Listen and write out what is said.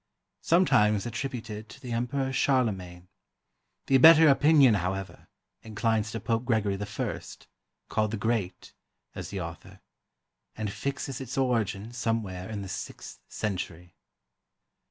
[Sometimes attributed to the Emperor Charlemagne. The better opinion, however, inclines to Pope Gregory I., called the Great, as the author, and fixes its origin somewhere in the sixth century.